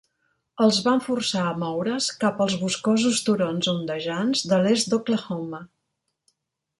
Els van forçar a moure's cap als boscosos turons ondejants de l'est d'Oklahoma.